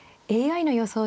ＡＩの予想